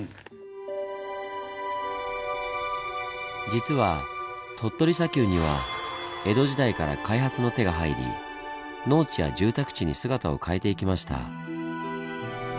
実は鳥取砂丘には江戸時代から開発の手が入り農地や住宅地に姿を変えていきました。